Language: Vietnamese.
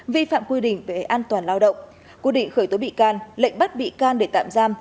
vi phạm quy định về an toàn lao động quy định khởi tố bị can lệnh bắt bị can để tạm giam